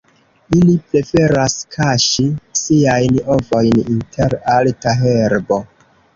Ili preferas kaŝi siajn ovojn inter alta herbo.